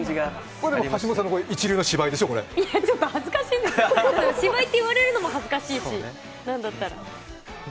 これ、橋本さんの、一流の芝居でしょ？恥ずかしいんですけど、芝居って言われるのも恥ずかしいし、何だったら。